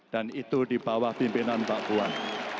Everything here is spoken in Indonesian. dan itu di bawah pimpinan mbak puan